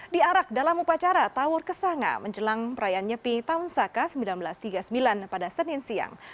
diarak dalam upacara tawur kesanga menjelang perayaan nyepi tahun saka seribu sembilan ratus tiga puluh sembilan pada senin siang